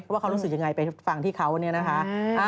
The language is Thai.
ว่าเขารู้สึกยังไงไปฟังที่เขาเนี่ยนะคะ